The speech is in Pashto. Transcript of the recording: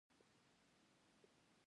کلي د افغانستان د هیوادوالو لپاره ویاړ دی.